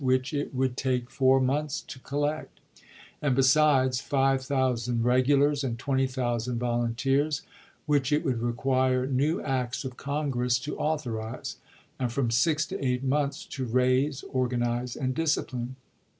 which it would take four months to collect; and, besides, 5000 regulars and 20,000 volunteers, which it would require new acts of Congress to authorize and from six to eight months to raise, organize, and discipline.